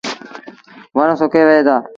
وڻ سُڪي وهيݩ دآ۔